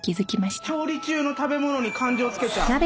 調理中の食べ物に感情つけちゃ。